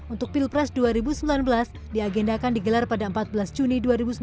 untuk pilpres dua ribu sembilan belas diagendakan digelar pada empat belas juni dua ribu sembilan belas